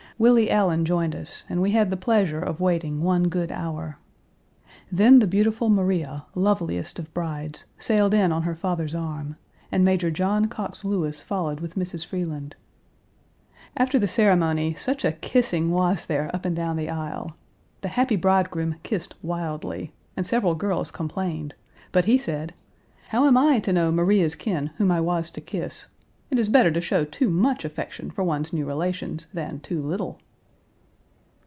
Willie Allan joined us, and we had the pleasure of waiting one good hour. Then the beautiful Maria, loveliest of brides, sailed in on her father's arm, and Major John Coxe Lewis followed with Mrs. Freeland. After the ceremony such a kissing was there up and down the aisle. The happy bridegroom kissed wildly, and several girls complained, but he said: "How am I to know Maria's kin whom I was to kiss? It is better to show too much affection for one's new relations than too little."